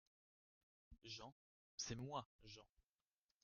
JEAN : C’est moi, Jean.